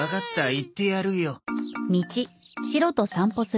行ってやるよ。